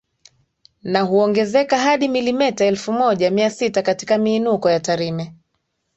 na huongezeka hadi milimeta elfu moja mia sita katika miinuko ya Tarime